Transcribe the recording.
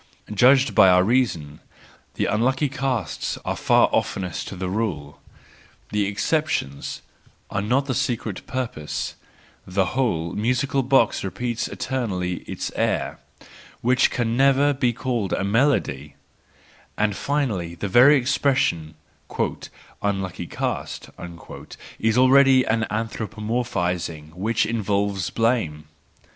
Judged by our reason, the unlucky casts are far oftenest the rule, the exceptions are not the secret purpose; and the whole musical box repeats eternally its air, which can never be called a melody, —and finally the very expression, " unlucky cast " is already an anthropomorphising which involves blame.